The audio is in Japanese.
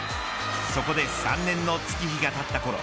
そこで３年の月日が経ったころ